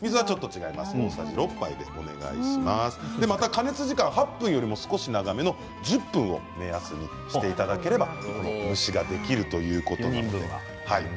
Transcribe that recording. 加熱時間は８分よりも少し長めの１０分を目安にしていただければ８分蒸しができるということです。